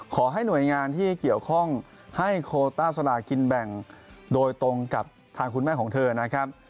ขอให้หน่วยงานที่เกี่ยวข้องให้โคต้าสลากินแบ่งโดยตรงกับทางคุณแม่ของเธอนะครับ